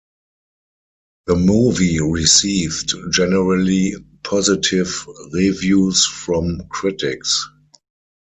The movie received generally positive reviews from critics.